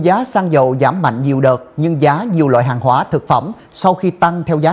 giá xăng dầu giảm mạnh nhiều đợt nhưng giá nhiều loại hàng hóa thực phẩm sau khi tăng theo giá